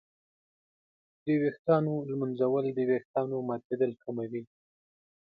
د ویښتانو ږمنځول د ویښتانو ماتېدل کموي.